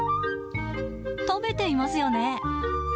食べていますよね。